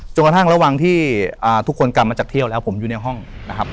กระทั่งระหว่างที่ทุกคนกลับมาจากเที่ยวแล้วผมอยู่ในห้องนะครับ